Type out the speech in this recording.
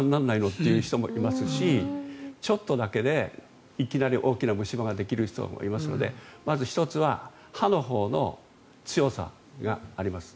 って人もいますしちょっとだけでいきなり大きな虫歯ができる人もいますのでまず１つは歯のほうの強さがあります。